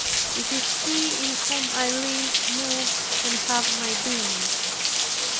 It is He in whom I live, move, and have my being.